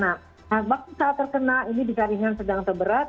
nah waktu saat terkena ini di saringan sedang terberat